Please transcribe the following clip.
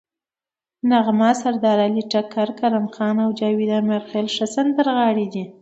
نغمه، سردارعلي ټکر، کرن خان او جاوید امیرخیل ښه سندرغاړي دي.